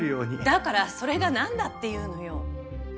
だからそれがなんだっていうのよ！